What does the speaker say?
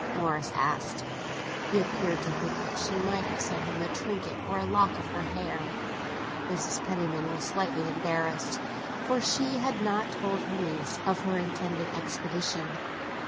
Morris asked. He appeared to think that she might have sent him a trinket or a lock of her hair. Mrs. Penniman was slightly embarrassed, for she had not told her niece of her intended expedition.